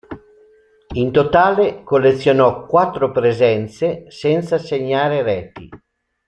In totale collezionò quattro presenze senza segnare reti.